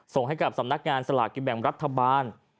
ส่งให้กับสำนักงานสลากกินแบ่งรัฐบาล